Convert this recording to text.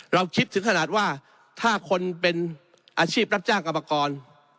เราคิดถึงขนาดว่าถ้าคนเป็นอาชีพรับจ้างกรรมกร